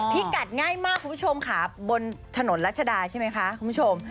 พี่กัดง่ายมากคุณผู้ชมค่ะบนถนนรัชดาใช่ไหมคะคุณผู้ชม